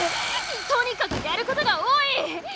とにかくやることが多い！